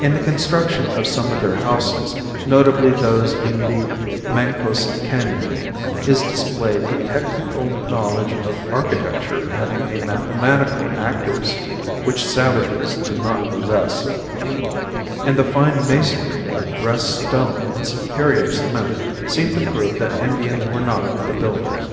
In the construction of some of their houses, notably those in the Mancos Canon, is displayed a technical knowledge of architecture and a mathematical accuracy which savages do not possess; and the fine masonry of dressed stone and superior cement seem to prove that Indians were not the builders.